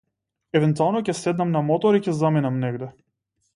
Евентуално ќе седнам на мотор и ќе заминем некаде.